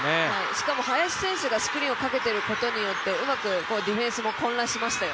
しかも、林選手がスクリーンをかけていることによってうまくディフェンスも混乱しましたよ。